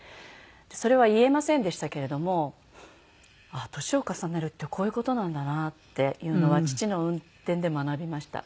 それは言えませんでしたけれどもああ年を重ねるってこういう事なんだなっていうのは父の運転で学びました。